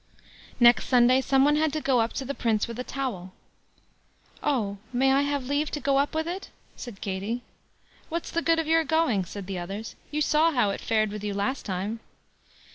Next Sunday some one had to go up to the Prince with a towel. "Oh! may I have leave to go up with it?" said Katie. "What's the good of your going?" said the others; "you saw how it fared with you last time."